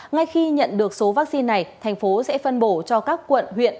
ngay khi nhận được số vaccine này thành phố sẽ phân bổ cho các quận huyện